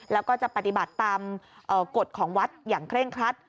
แล้วก็จะปฏิบัติตามกฎของวัดอย่างเคร่งครัด